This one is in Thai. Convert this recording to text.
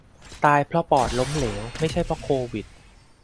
ตายเพราะปอดล้มเหลว ไม่ใช่เพราะโควิด